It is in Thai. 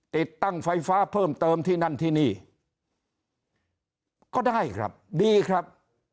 ติดตั้งไฟฟ้าเพิ่มเติมที่นั่นที่นี่ก็ได้ครับดีครับ